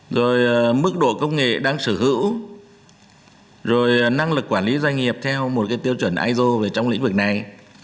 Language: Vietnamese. rồi mức độ công nghệ đang sở hữu rồi năng lực quản lý doanh nghiệp theo một cái tiêu chuẩn iso về trong lĩnh vực này